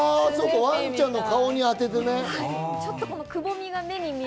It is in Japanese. ワンちゃんの顔に当ててね。